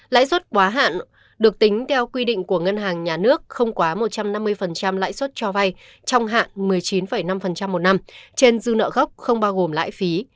lãi suất quá hạn được tính theo quy định của ngân hàng nhà nước không quá một trăm năm mươi lãi suất cho vay trong hạn một mươi chín năm một năm trên dư nợ gốc không bao gồm lãi phí